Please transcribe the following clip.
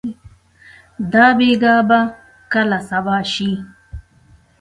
دا بېګا به کله صبا شي؟